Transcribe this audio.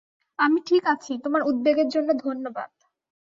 আমি ঠিক আছি, তোমার উদ্বেগের জন্য ধন্যবাদ।